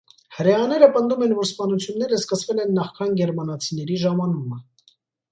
Հրեաները պնդում են, որ սպանությունները սկսվել են նախքան գերմանացիների ժամանումը։